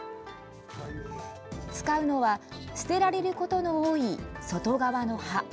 使うのは捨てられることの多い外側の葉。